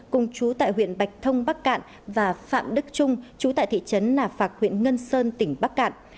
cùng chú tại huyện bạch thông bắc cạn và phạm đức trung chú tại thị trấn nà phạc huyện ngân sơn tỉnh bắc cạn